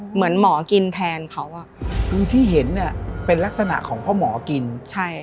เหมือนหมอกินแทนเขาอ่ะคือที่เห็นเนี้ยเป็นลักษณะของพ่อหมอกินใช่